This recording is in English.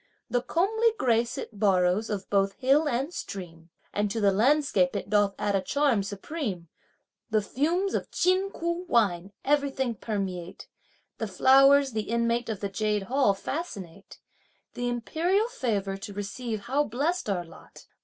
The comely grace it borrows of both hill and stream; And to the landscape it doth add a charm supreme. The fumes of Chin Ku wine everything permeate; The flowers the inmate of the Jade Hall fascinate. The imperial favour to receive how blessed our lot!